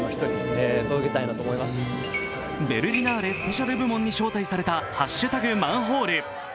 ベルリナーレ・スペシャル部門に招待された「＃マンホール」。